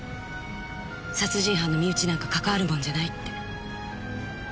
殺人犯の身内なんかかかわるもんじゃないって。